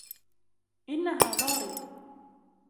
إنها لوري.